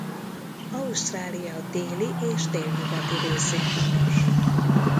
Ausztrália déli és délnyugati részén honos.